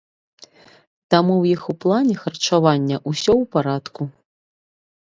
Таму ў іх у плане харчавання ўсё ў парадку.